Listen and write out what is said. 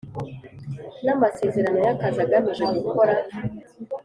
N amasezerano y akazi agamije gukora